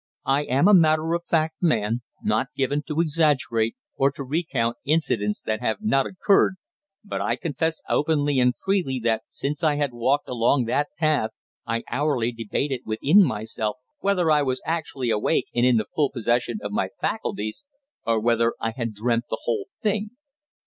I am a matter of fact man, not given to exaggerate or to recount incidents that have not occurred, but I confess openly and freely that since I had walked along that path I hourly debated within myself whether I was actually awake and in the full possession of my faculties, or whether I had dreamt the whole thing.